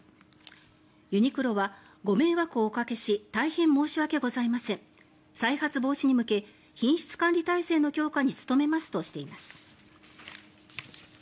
ユニクロは、ご迷惑をおかけし大変申し訳ございません再発防止に向け品質管理体制の強化に努めますとしています。